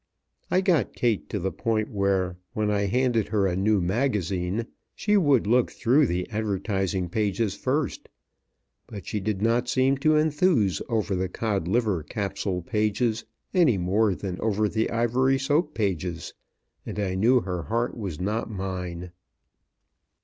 'I got Kate to the point where, when I handed her a new magazine, she would look through the advertising pages first; but she did not seem to enthuse over the Codliver Capsule pages any more than over the Ivory Soap pages, and I knew her heart was not mine.